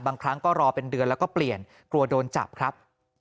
บางครั้งก็รอเป็นเดือนแล้วก็เปลี่ยนกลัวโดนจับครับ